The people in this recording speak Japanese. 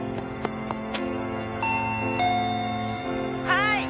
「はい」